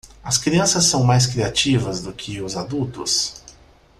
As crianças são mais criativas que os adultos?